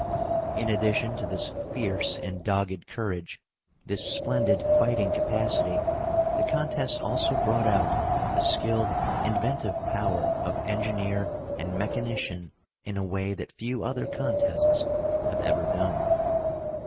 In addition to this fierce and dogged courage, this splendid fighting capacity, the contest also brought out the skilled inventive power of engineer and mechanician in a way that few other contests have ever done.